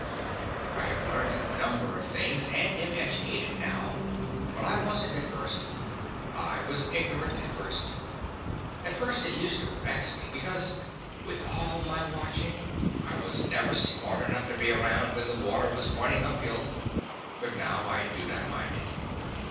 I have learned a number of things, and am educated, now, but I wasn't at first. I was ignorant at first. At first it used to vex me because, with all my watching, I was never smart enough to be around when the water was running uphill; but now I do not mind it.